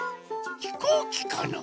ひこうきかな？